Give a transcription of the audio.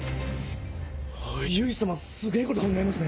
由衣様すげぇこと考えますね。